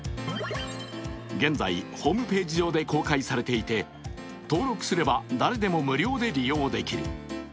現在、ホームページ上で公開されていて、登録すれば誰でも無料で利用できる。